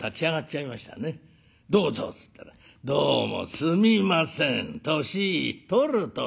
「どうぞ」っつったら「どうもすみません年取ると」